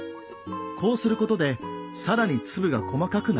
こうすることでさらに粒が細かくなります。